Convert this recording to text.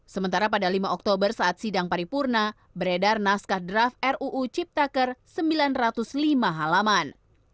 sementara pada lima oktober saat sidang paripurna beredar naskah draft ruu ciptaker sembilan ratus lima halaman